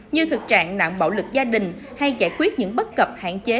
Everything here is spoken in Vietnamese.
như thực trạng nạn bạo lực gia đình hay giải quyết những bất cập hạn chế